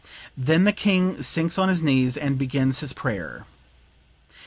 Then the King sinks on his knees and begins his prayer.